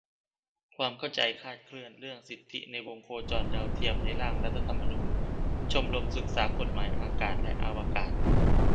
ความเข้าใจคลาดเคลื่อนเรื่องสิทธิในวงโคจรของดาวเทียมในร่างรัฐธรรมนูญ - ชมรมศึกษากฎหมายอากาศและอวกาศ